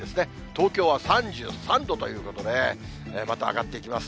東京は３３度ということで、また上がっていきます。